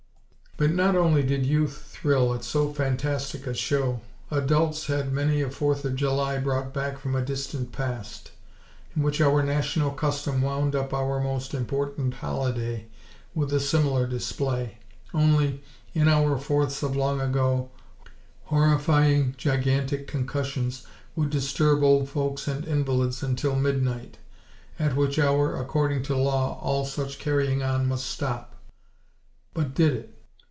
But not only did Youth thrill at so fantastic a show. Adults had many a Fourth of July brought back from a distant past; in which our national custom wound up our most important holiday with a similar display; only, in our Fourths of long ago, horrifying, gigantic concussions would disturb old folks and invalids until midnight; at which hour, according to law, all such carrying on must stop. But did it?